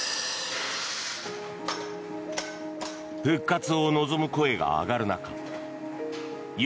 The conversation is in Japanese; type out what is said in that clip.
復活を望む声が上がる中吉